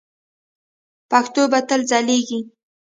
پښتو به تل ځلیږي.